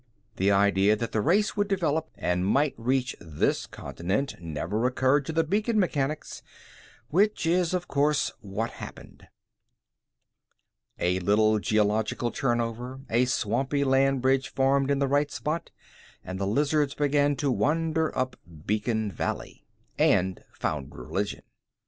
The idea that the race would develop and might reach this continent never occurred to the beacon mechanics. Which is, of course, what happened. A little geological turnover, a swampy land bridge formed in the right spot, and the lizards began to wander up beacon valley. And found religion.